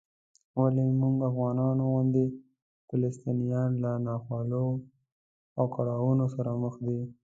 ولې موږ افغانانو غوندې فلسطینیان له ناخوالو او کړاوونو سره مخ دي؟